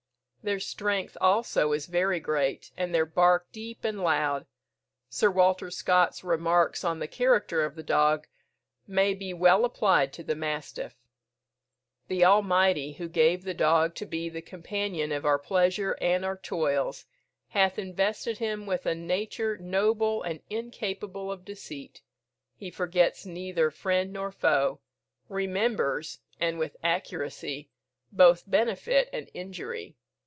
Their strength also is very great, and their bark deep and loud. Sir Walter Scott's remarks on the character of the dog may be well applied to the mastiff, "The Almighty, who gave the dog to be the companion of our pleasures and our toils, hath invested him with a nature noble and incapable of deceit. He forgets neither friend nor foe remembers, and with accuracy, both benefit and injury.